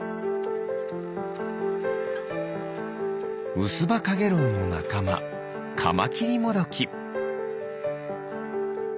ウスバカゲロウのなかまカマキリモドキ。